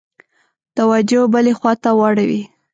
توجه بلي خواته واړوي.